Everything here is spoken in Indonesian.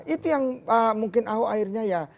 itu yang mungkin ahok akhirnya ya